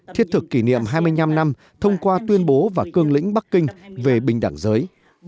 thiết thực kỷ niệm hai mươi năm năm thông qua tuyên bố và cương lĩnh bắc kinh về bình đẳng giới